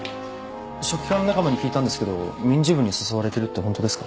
書記官仲間に聞いたんですけど民事部に誘われてるってホントですか？